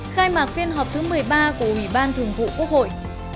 khai mạc phiên họp thứ một mươi ba của ủy ban thường vụ quốc hội